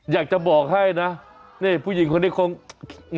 อยากจะบอกให้นะนี่ผู้หญิงคนนี้คง